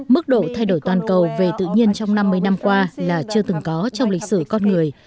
mức độ thay đổi toàn cầu về tự nhiên trong năm mươi năm qua là chưa từng có trong lịch sử con người